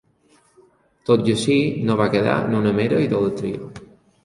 Tot i així, no va quedar en una mera idolatria.